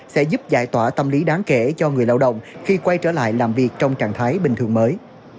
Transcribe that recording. sẽ giúp giải tỏa tâm lý đáng kể cho người lao động khi quay trở lại làm việc trong trạng thái bình thường mới